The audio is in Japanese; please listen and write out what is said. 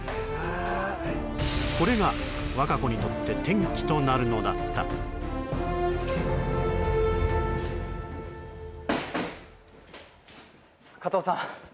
これが和歌子にとって転機となるのだった加藤さん